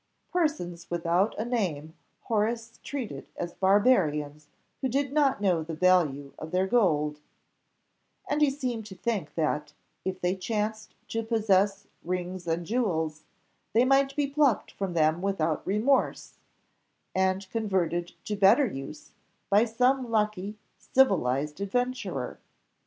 Persons without a name Horace treated as barbarians who did not know the value of their gold; and he seemed to think that, if they chanced to possess rings and jewels, they might be plucked from them without remorse, and converted to better use by some lucky civilised adventurer.